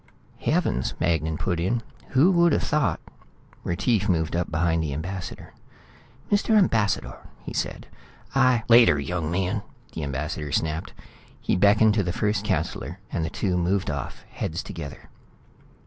"Heavens," Magnan put in. "Who would have thought " Retief moved up behind the ambassador. "Mr. Ambassador," he said, "I " "Later, young man," the ambassador snapped. He beckoned to the first councillor, and the two moved off, heads together.